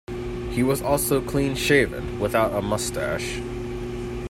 He was also clean shaven, without a moustache.